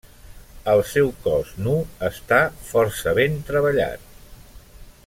El seu cos nu està força ben treballat.